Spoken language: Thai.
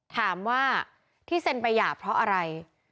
ถามว่าที่เซ็นไปหย่าเพราะอะไร